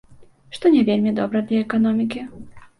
Што не вельмі добра для эканомікі.